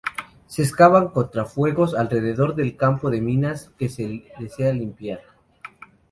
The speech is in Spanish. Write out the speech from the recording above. Se excavan cortafuegos alrededor del campo de minas que se desea limpiar.